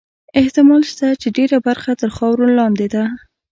احتمال شته چې ډېره برخه تر خاورو لاندې ده.